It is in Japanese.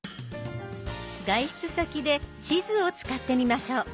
外出先で地図を使ってみましょう。